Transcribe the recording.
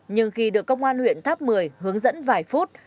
nhưng khi được công an huyện tháp một mươi hướng dẫn vài phút